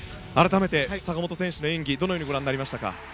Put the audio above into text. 改めて、坂本選手の演技どのようにご覧になりましたか。